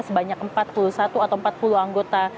sebanyak empat puluh satu atau empat puluh anggota